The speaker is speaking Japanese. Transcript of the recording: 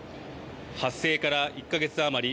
発生から１か月余り。